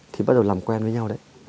thì bắt đầu làm quen với nhau đấy